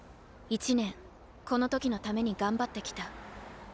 １年この時のために頑張ってきた。